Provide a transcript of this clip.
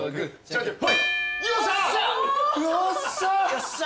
よっしゃ！